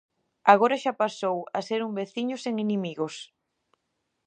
Agora xa pasou a ser un veciño sen inimigos.